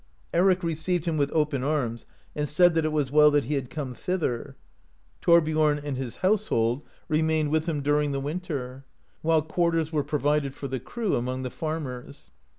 Eric received him with open arms, and said that it was well that he had come thither. Thor biorn and his household remained with him during the winter, while quarters were provided for the crew among the farmers.